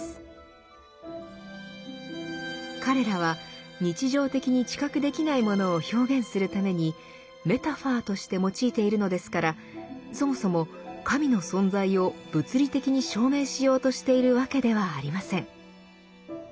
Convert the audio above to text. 彼らは日常的に知覚できないものを表現するためにメタファーとして用いているのですからそもそも神の存在を物理的に証明しようとしているわけではありません。